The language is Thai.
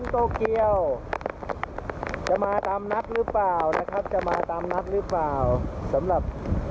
ตอนนี้อีกไม้เริ่มหักแล้วนะครับ